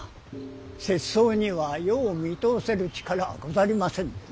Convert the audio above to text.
拙僧には世を見通せる力はござりませんのでな。